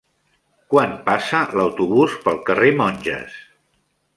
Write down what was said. Quan passa l'autobús pel carrer Monges?